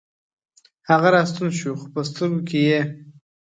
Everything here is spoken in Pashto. هغه راستون شو، خوپه سترګوکې یې